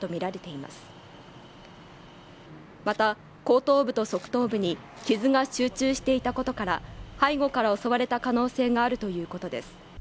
また後頭部と側頭部に傷が集中していたことから背後から襲われた可能性があるということです